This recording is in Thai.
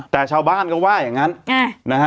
แต่ชาวบ้านก็ว่าอย่างนั้นนะฮะ